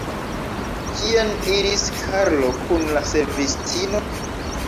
Kien iris Karlo kun la servistino?